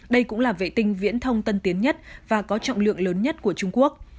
đây cũng là vệ tinh viễn thông tân tiến nhất và có trọng lượng lớn nhất của trung quốc